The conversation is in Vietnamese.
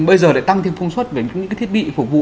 bây giờ lại tăng thêm công suất về những cái thiết bị phục vụ